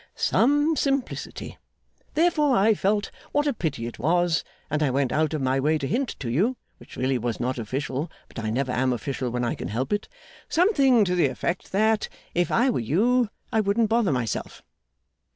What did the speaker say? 'Some simplicity. Therefore I felt what a pity it was, and I went out of my way to hint to you (which really was not official, but I never am official when I can help it) something to the effect that if I were you, I wouldn't bother myself.